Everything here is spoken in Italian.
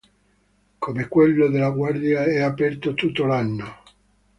Come quello della Guardia è aperto tutto l'anno.